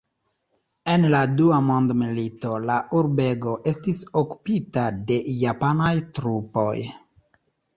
En la dua mondmilito la urbego estis okupita de japanaj trupoj.